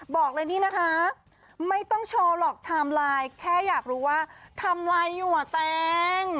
บอกเลยนี่นะคะไม่ต้องโชว์หรอกไทม์ไลน์แค่อยากรู้ว่าทำอะไรอยู่อ่ะแตง